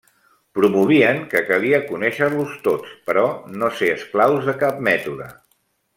Promovien que calia conèixer-los tots però no ser esclaus de cap mètode.